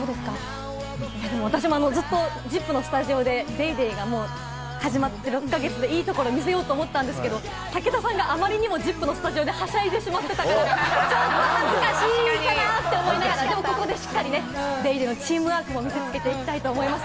私もずっと『ＺＩＰ！』のスタジオで、『ＤａｙＤａｙ．』が始まって６か月で、いいところを見せようと思ったんですけれども、武田さんがあまりにも『ＺＩＰ！』のスタジオで、はしゃいでしまってたから、ちょっと恥ずかしいかなって思いながら、しっかりここで『ＤａｙＤａｙ．』のチームワークも見せつけていきたいと思います。